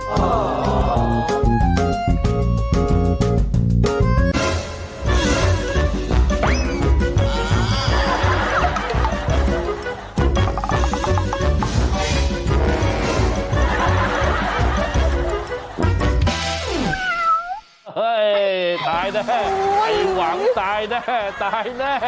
ตายแน่ไอ้หวังตายแน่ตายแน่